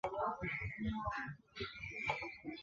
桑格布斯。